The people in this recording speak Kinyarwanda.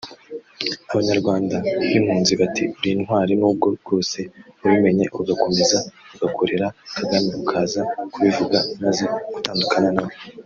abanyarwanda b’impunzi bati uri ntwari n’ubwo bwose wabimenye agakomeza ugakorera Kagame ukaza kubivuga umaze gutandukana nawe